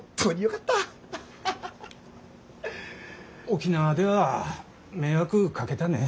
沖縄では迷惑かけたね。